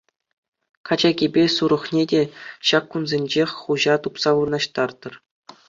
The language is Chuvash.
Качакипе сурӑхне те ҫак кунсенчех хуҫа тупса вырнаҫтартӑр.